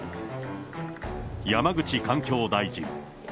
山口環境大臣。